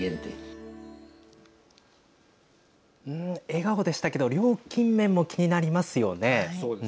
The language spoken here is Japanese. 笑顔でしたけど料金面も気になりますよね。